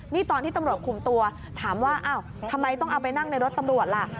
นี่ตอนที่ตำรวจคุมตัวถามว่าอ้าวทำไมต้องเอาไปนั่งในรถตำรวจล่ะ